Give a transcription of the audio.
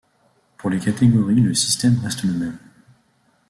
Pour les catégories le système reste le même.